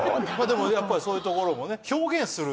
でもやっぱりそういうところもね。